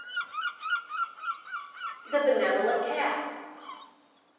THE BENEVOLENT CAT.